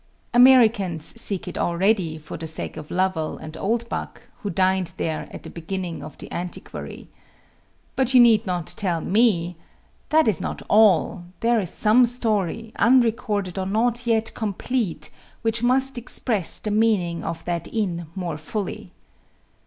Americans seek it already for the sake of Lovel and Oldbuck, who dined there at the beginning of the Antiquary. But you need not tell me that is not all; there is some story, unrecorded or not yet complete, which must express the meaning of that inn more fully....